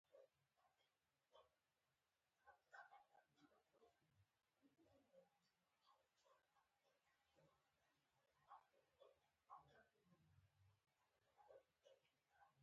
نه څراغ لري نه بریښنا.